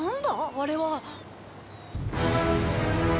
あれは。